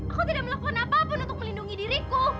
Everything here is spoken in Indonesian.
aku tidak melakukan apapun untuk melindungi diriku